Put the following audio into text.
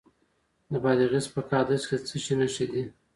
د بادغیس په قادس کې د څه شي نښې دي؟